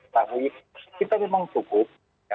tapi kita memang cukup